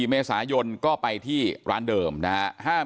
๔เมษายนก็ไปที่ร้านเดิมนะครับ